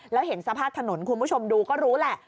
แล้วเห็นสภาพถนนคุณผู้ชมดูก็รู้แหละ